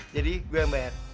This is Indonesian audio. jadi gua yang bayar